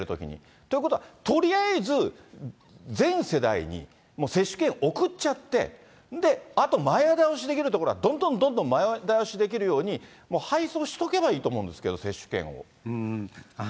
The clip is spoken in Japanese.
ということは、とりあえず全世代にもう接種券送っちゃって、で、あと前倒しできるところは、どんどんどんどん前倒しできるように、配送しとけばいいと思うんですけど、接種券を。